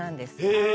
へえ！